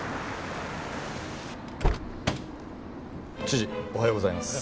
知事おはようございます。